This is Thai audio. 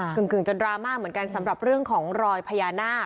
กึ่งจนดราม่าเหมือนกันสำหรับเรื่องของรอยพญานาค